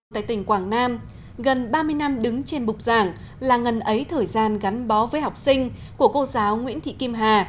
tại tỉnh quảng nam gần ba mươi năm đứng trên bục giảng là ngần ấy thời gian gắn bó với học sinh của cô giáo nguyễn thị kim hà